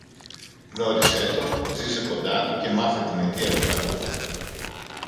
γνώρισε τον, ζήσε κοντά του και μάθε την αιτία του κακού.